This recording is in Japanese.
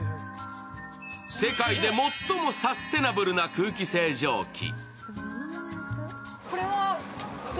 世界で最もサステイナブルな空気清浄機。